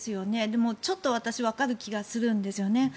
でも、ちょっと私わかる気がするんですよね。